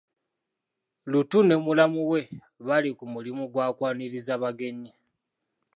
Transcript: Luutu ne mulamu we bali ku mulimu gwa kwaniriza bagenyi.